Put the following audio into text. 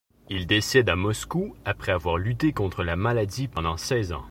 Il décède à Moscou, après avoir lutté contre la maladie pendant seize ans.